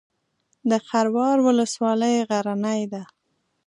د خروار ولسوالۍ غرنۍ ده